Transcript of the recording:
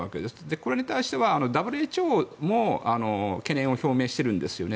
これに対してはＷＨＯも懸念を表明しているんですよね。